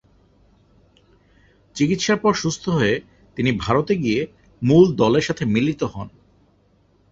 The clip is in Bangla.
চিকিৎসার পর সুস্থ হয়ে তিনি ভারতে গিয়ে মূল দলের সঙ্গে মিলিত হন।